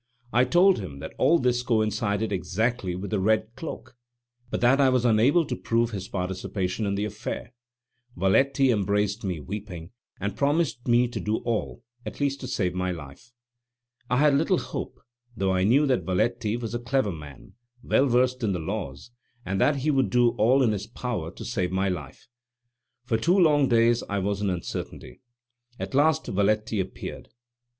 I told him that all this coincided exactly with the "red cloak," but that I was unable to prove his participation in the affair. Valetti embraced me weeping, and promised me to do all, at least to save my life. I had little hope, though I knew that Valetti was a clever man, well versed in the law, and that he would do all in his power to save my life. For two long days I was in uncertainty; at last Valetti appeared.